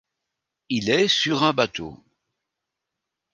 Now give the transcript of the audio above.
Il est sur un bateau.